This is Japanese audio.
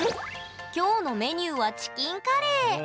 今日のメニューはチキンカレー。